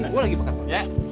gue lagi bakar pokoknya